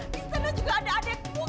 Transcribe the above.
di sana juga ada adekmu